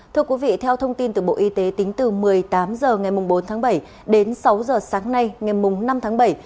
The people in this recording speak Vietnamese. thưa quý vị theo thông tin từ bộ y tế tính từ một mươi tám h ngày bốn tháng bảy đến sáu h sáng nay ngày năm tháng bảy